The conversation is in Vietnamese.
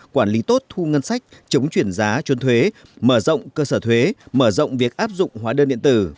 quản lý tốt thu ngân sách chống chuyển giá chuôn thuế mở rộng cơ sở thuế mở rộng việc áp dụng hóa đơn điện tử